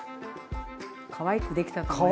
かわいくできたと思います。